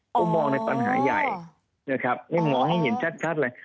ผมมองในปัญหาใหญ่นะครับนี่มองให้เห็นชัดเลย